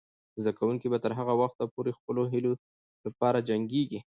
زده کوونکې به تر هغه وخته پورې د خپلو هیلو لپاره جنګیږي.